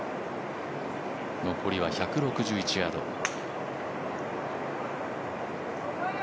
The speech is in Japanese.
残りは１６１ヤード。